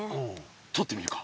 とってみるか。